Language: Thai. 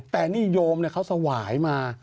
แต่นิยมเขาสวายมา